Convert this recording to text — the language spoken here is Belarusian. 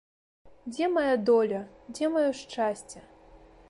Дзе мая доля, дзе маё шчасце?